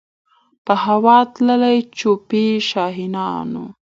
په هوا تللې جوپې د شاهینانو